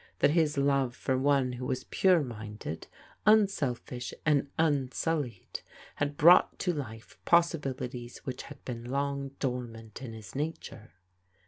That his love for one who was pure minded, imselfish, and unsullied, had brought to life possibilities which had been long dormant in his nature.